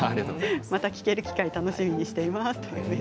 また聴ける機会楽しみにしています。